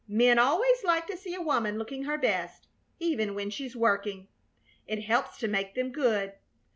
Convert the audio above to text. Men always like to see a woman looking her best, even when she's working. It helps to make them good.